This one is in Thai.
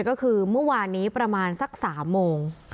ก็คือเมื่อวานนี้ประมาณสัก๓โมง